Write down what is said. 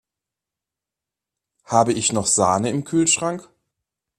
Habe ich noch Sahne im Kühlschrank?